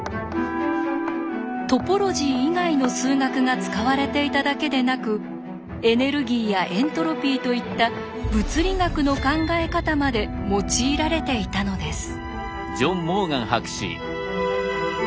トポロジー以外の数学が使われていただけでなくエネルギーやエントロピーといった「物理学」の考え方まで用いられていたのです。